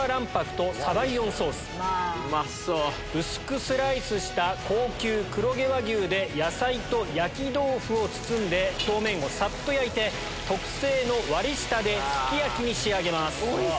薄くスライスした高級黒毛和牛で野菜と焼き豆腐を包んで表面をさっと焼いて特製の割り下ですき焼きに仕上げます。